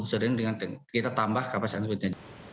sebenarnya dengan kita tambah kapasitas transportasi